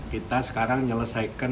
kita sekarang menyelesaikan